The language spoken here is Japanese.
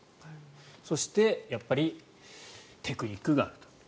そしてやっぱりテクニックがあると。